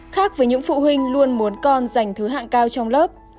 khác với những phụ huynh luôn muốn con dành thứ hạng cao trong lớp